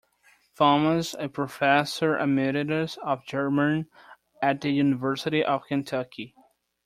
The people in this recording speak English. Thomas, a professor emeritus of German at the University of Kentucky.